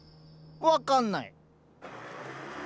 分かんない。